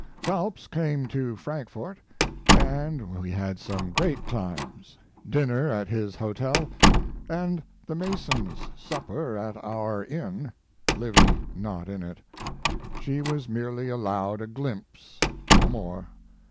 Phelps came to Frankfort and we had some great times dinner at his hotel; & the Masons, supper at our inn Livy not in it. She was merely allowed a glimpse, no more.